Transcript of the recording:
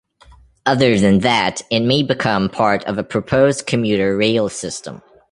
Other than that, it may become part of a proposed commuter rail system.